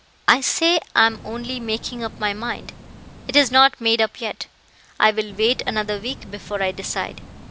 "I say I am only making up my mind; it is not made up yet. I will wait another week before I decide.